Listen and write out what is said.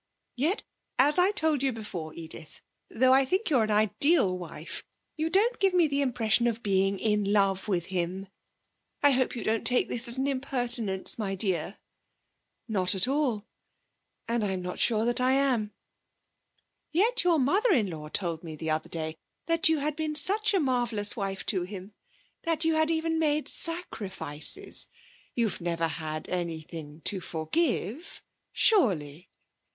'Yet, as I told you before, Edith, though I think you an ideal wife, you don't give me the impression of being in love with him. I hope you don't take this as an impertinence, my dear?' 'Not at all. And I'm not sure that I am.' 'Yet your mother in law told me the other day that you had been such a marvellous wife to him. That you had even made sacrifices. You have never had anything to forgive, surely?'